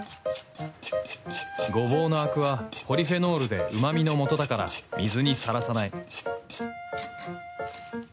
ゴボウのアクはポリフェノールで旨みの素だから水にさらさない